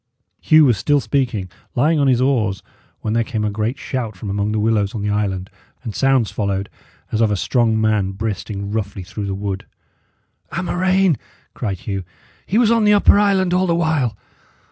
Hugh was still speaking, lying on his oars, when there came a great shout from among the willows on the island, and sounds followed as of a strong man breasting roughly through the wood. "A murrain!" cried Hugh. "He was on the upper island all the while!"